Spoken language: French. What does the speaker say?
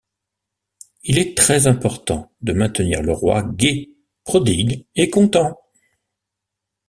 Il est très-important De maintenir le roi gai, prodigue et content.